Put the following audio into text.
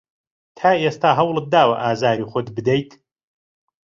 تا ئێستا هەوڵت داوە ئازاری خۆت بدەیت؟